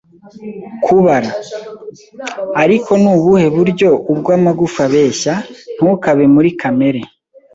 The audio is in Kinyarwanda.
kubara. Ariko ni ubuhe buryo ubwo amagufwa abeshya? 'Ntukabe muri kamere.'